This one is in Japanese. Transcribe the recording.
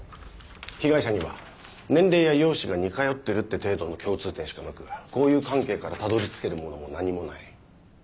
被害者には年齢や容姿が似通ってるって程度の共通点しかなく交友関係からたどり着けるものも何もない。